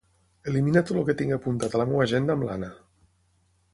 Elimina tot el que tingui apuntat a la meva agenda amb l'Anna.